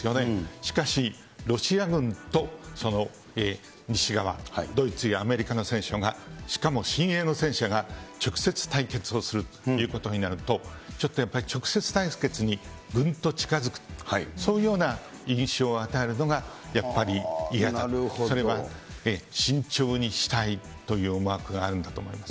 しかし、ロシア軍とその西側、ドイツやアメリカの戦車がしかも新鋭の戦車が直接対決をするということになると、ちょっとやっぱり直接対決にぐんと近づく、そういうような印象を与えるのが、やっぱり嫌だと、それは慎重にしたいという思惑があるんだと思います。